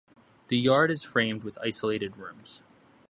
The yard is framed with isolated rooms.